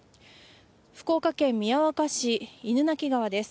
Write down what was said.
福岡県宮若市犬鳴川です。